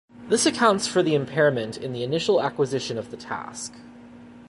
This accounts for the impairment in the initial acquisition of the task.